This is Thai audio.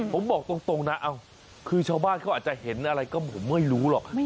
ผมบอกตรงนะคือชาวบ้านเขาอาจจะเห็นอะไรก็ผมไม่รู้หรอก